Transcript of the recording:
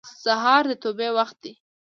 سهار د توبې وخت دی.